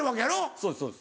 そうですそうです